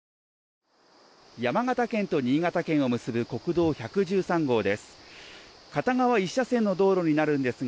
山形県と新潟県を結ぶ国道１１３号です。